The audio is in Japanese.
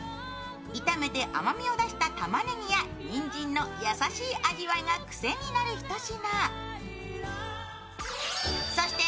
炒めて甘みを出したたまねぎやにんじんの優しい味わいが癖になるひと品。